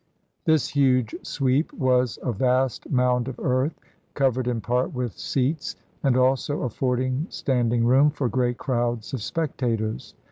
This huge sweep was a vast mound of earth, covered in part with seats, and also affording standing room for great crowds of spectators.